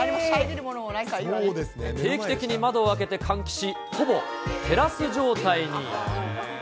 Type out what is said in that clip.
定期的に窓を開けて換気し、ほぼテラス状態に。